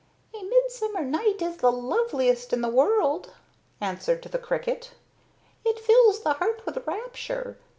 "A midsummer night is the loveliest in the world," answered the cricket. "It fills the heart with rapture.